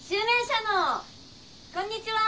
こんにちはー。